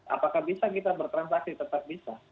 apakah bisa kita bertransaksi tetap bisa